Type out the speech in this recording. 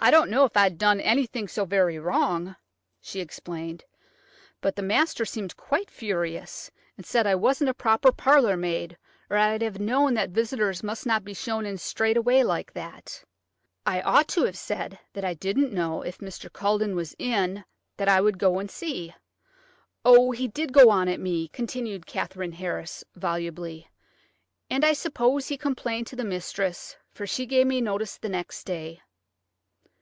"I didn't know I 'ad done anything so very wrong," she explained, "but the master seemed quite furious, and said I wasn't a proper parlour maid, or I'd have known that visitors must not be shown in straight away like that. I ought to have said that I didn't know if Mr. Culledon was in; that I would go and see. Oh, he did go on at me!" continued Katherine Harris, volubly. "And I suppose he complained to the mistress, for she give me notice the next day."